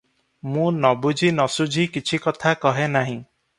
ମୁଁ ନବୁଝି ନସୁଝି କଛି କଥା କହେ ନାହିଁ ।